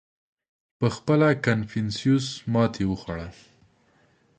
• پهخپله کنفوسیوس ماتې وخوړه.